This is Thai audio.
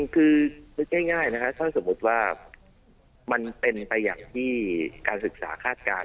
คือง่ายนะครับถ้าสมมุติว่ามันเป็นไปอย่างที่การศึกษาคาดการณ์